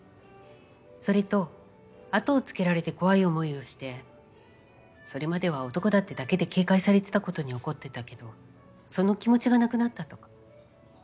それと後をつけられて怖い思いをしてそれまでは男だってだけで警戒されてたことに怒ってたけどその気持ちがなくなったとか。